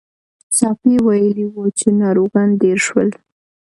ساپی ویلي وو چې ناروغان ډېر شول.